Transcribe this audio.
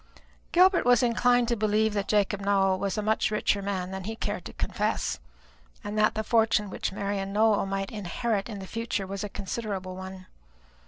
Gilbert was inclined to believe that Jacob Nowell was a much richer man than he cared to confess, and that the fortune which Marian Nowell might inherit in the future was a considerable one.